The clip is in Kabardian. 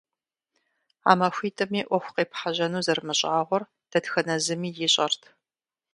А махуитӀыми Ӏуэху къепхьэжьэну зэрымыщӀагъуэр дэтхэнэ зыми ищӀэрт.